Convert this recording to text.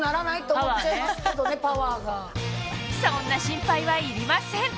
そんな心配はいりません